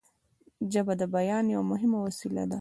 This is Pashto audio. ژبه د بیان یوه مهمه وسیله ده